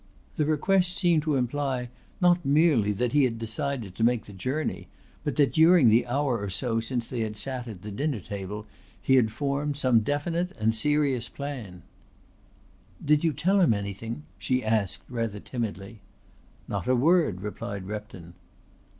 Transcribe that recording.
The request seemed to imply not merely that he had decided to make the journey but that during the hour or so since they had sat at the dinner table he had formed some definite and serious plan. "Did you tell him anything?" she asked rather timidly. "Not a word," replied Repton.